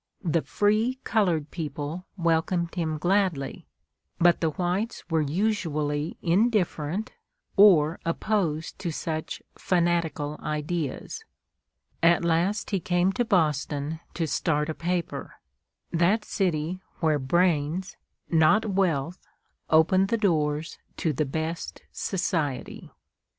The free colored people welcomed him gladly, but the whites were usually indifferent or opposed to such "fanatical" ideas. At last he came to Boston to start a paper, that city where brains and not wealth open the doors to the best society.